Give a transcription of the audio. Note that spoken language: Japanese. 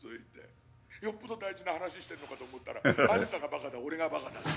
よっぽど大事な話してるのかと思ったらアンタがバカだ俺がバカだって。